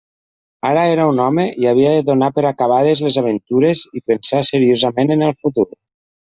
Ara era un home i havia de donar per acabades les aventures i pensar seriosament en el futur.